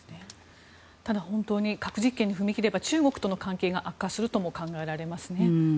ただ、本当に核実験に踏み切れば中国との関係が悪化するとも考えられますね。